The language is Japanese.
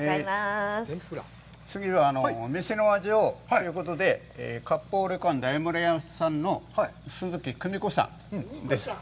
次は店の味をということで、割烹・旅館大丸屋さんの鈴木久美子さんです。